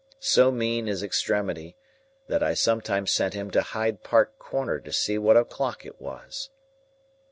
So mean is extremity, that I sometimes sent him to Hyde Park corner to see what o'clock it was.